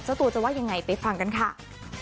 เจ้าตัวจะว่ายังไงไปฟังกันค่ะ